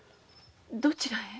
どちらへ？